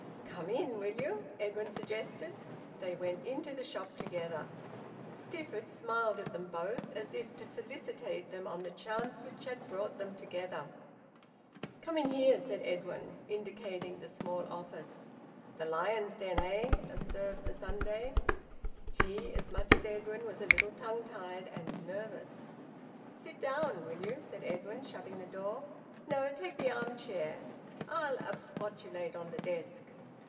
"Come in, will you?" Edwin suggested. They went into the shop together. Stifford smiled at them both, as if to felicitate them on the chance which had brought them together. "Come in here," said Edwin, indicating the small office. "The lion's den, eh?" observed the Sunday. He, as much as Edwin, was a little tongue tied and nervous. "Sit down, will you?" said Edwin, shutting the door. "No, take the arm chair. I'll absquatulate on the desk.